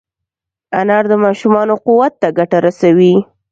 انار د ماشومانو قوت ته ګټه رسوي.